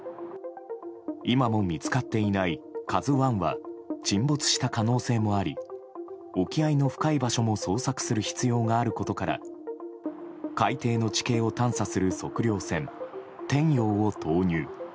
今も見つかっていない「ＫＡＺＵ１」は沈没した可能性もあり沖合の深い場所も捜索する必要があることから海底の地形を探査する測量船「天洋」を投入。